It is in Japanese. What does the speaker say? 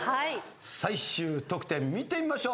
最終得点見てみましょう。